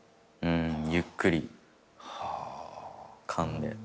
うんゆっくりかんで。